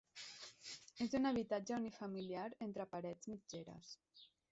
És un habitatge unifamiliar entre parets mitgeres.